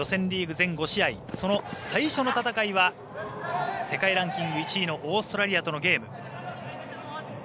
全５試合その最初の戦いは世界ランキング１位のオーストラリアとのゲーム。